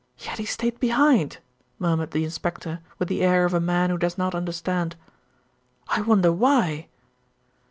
"Yet he stayed behind," murmured the inspector with the air of a man who does not understand. "I wonder why?"